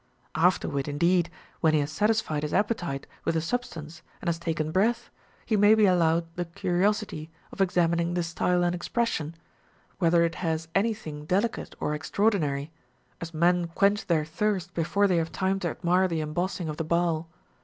Afterward, indeed, when he has satisfied his appetite with the substance and has taken breath, he may be allowed the curiosity of examining the style and expression, whether it has any thing delicate or extraordinary ; as men quench their thirst before they have time to admire the embossing of the bowl.